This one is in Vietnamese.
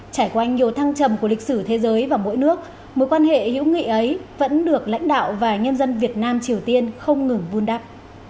trải qua nhiều thăng trầm của lịch sử thế giới và mỗi nước mối quan hệ hữu nghị ấy vẫn được lãnh đạo và nhân dân việt nam triều tiên không ngừng vun đắp